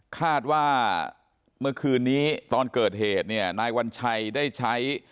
คาดว่าเมื่อคืนนี้ตอนเกิดเหตุเนี่ยนายวัญชัยได้ใช้